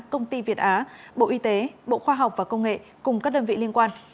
công ty việt á bộ y tế bộ khoa học và công nghệ cùng các đơn vị liên quan